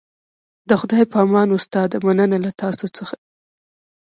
د خدای په امان استاده مننه له تاسو څخه